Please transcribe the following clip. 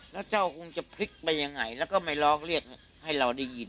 แล้วเจ้าคงจะพลิกไปยังไงแล้วก็ไม่ร้องเรียกให้เราได้ยิน